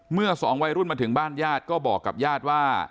เมื่อสองวัยรุ่นมาถึงบ้านญาติก็บอกกับญาติว่า